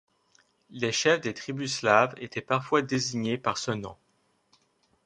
Les chefs des tribus slaves étaient parfois désignés par ce nom.